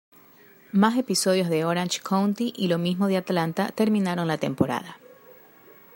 Más episodios de "Orange County" y lo mismo de "Atlanta" terminaron la temporada.